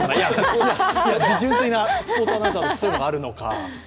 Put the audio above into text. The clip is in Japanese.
純粋なスポーツアナウンサーとしてそういうのがあるのか。